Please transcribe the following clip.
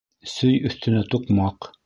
Сөй өҫтөнә туҡмаҡ.